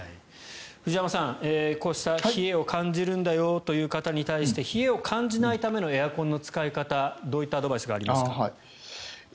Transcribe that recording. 藤山さん、こうした冷えを感じるんだよという方に対して冷えを感じないためのエアコンの使い方どういったアドバイスがありますか？